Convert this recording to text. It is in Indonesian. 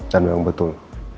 dan memang betul